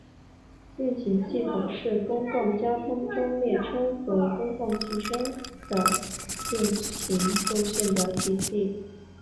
运行系统是公共交通中列车和公共汽车的运行路线的体系。